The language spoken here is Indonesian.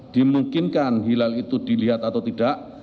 dimungkinkan hilal itu dilihat atau tidak